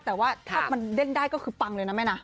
แต่ว่าถ้ามันเด้งได้ก็คือปังเลยนะแม่นะ